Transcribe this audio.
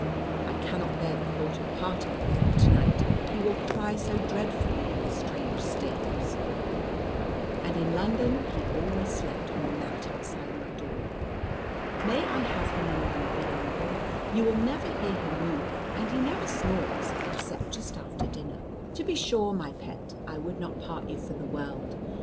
I cannot bear the thought of parting with him to night, he will cry so dreadfully in the strange stables; and in London he always slept on the mat outside my door. May I have him in the lobby, uncle, you will never hear him move, and he never snores except just after dinner?" "To be sure, my pet; I would not part you for the world.